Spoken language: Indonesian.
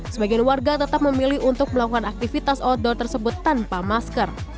sebagian warga tetap memilih untuk melakukan aktivitas outdoor tersebut tanpa masker